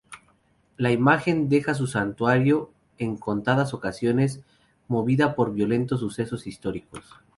La imagen deja su santuario en contadas ocasiones, movida por violentos sucesos históricos.